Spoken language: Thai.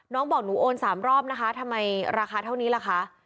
น้องบอกหนูโอน๓รอบนะคะทำไมราคาเท่านี้ล่ะคะ